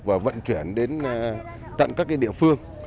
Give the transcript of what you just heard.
và vận chuyển đến tận các địa phương